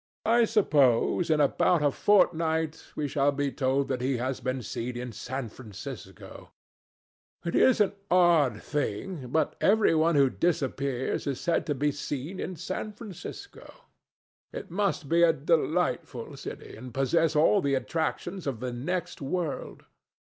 I suppose in about a fortnight we shall be told that he has been seen in San Francisco. It is an odd thing, but every one who disappears is said to be seen at San Francisco. It must be a delightful city, and possess all the attractions of the next world."